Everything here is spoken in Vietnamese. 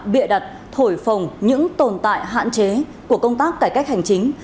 bịa đặt thổi phồng những tồn tại hạn chế của công tác cải cách hành chính